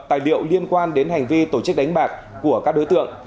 tài liệu liên quan đến hành vi tổ chức đánh bạc của các đối tượng